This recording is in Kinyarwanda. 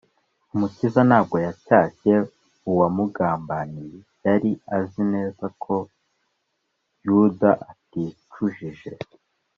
umukiza ntabwo yacyashye uwamugambaniye yari azi neza ko yuda aticujije;